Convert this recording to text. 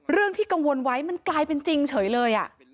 เรื่องที่กังวลไว้มันกลายเป็นจริงเฉยเลย